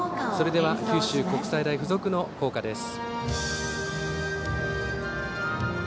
では、九州国際大付属の校歌です。